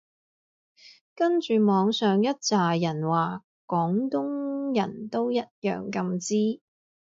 跟住網上一柞人話廣東人都一樣咁支